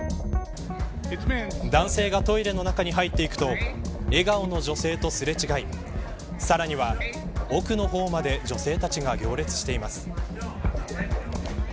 男性がトイレの中に入っていくと笑顔の女性とすれ違いさらには奥の方まで女性たちが行列しています。